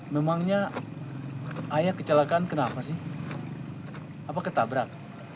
memangnya ayat kecelakaan kenapa sih apa ketabrak